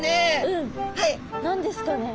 うん。何ですかね？